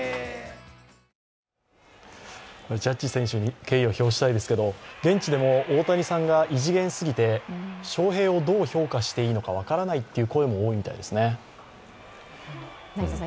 ジャッジ選手に敬意を表したいですけど、現地でも大谷さんが異次元すぎて翔平をどう評価していいか分からないという声もあるようですね。